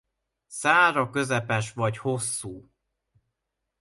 Szára közepes vagy hosszú.